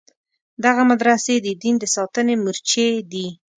دغه مدرسې د دین د ساتنې مورچې دي.